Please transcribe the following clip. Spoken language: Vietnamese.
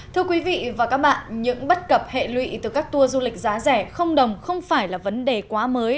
thưa quý vị và các bạn những bất cập hệ lụy từ các tour du lịch giá rẻ không đồng không phải là vấn đề quá mới